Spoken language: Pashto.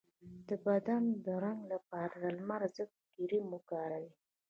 د بدن د رنګ لپاره د لمر ضد کریم وکاروئ